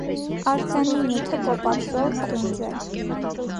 Արձանի նյութը կոփածո պղինձ է։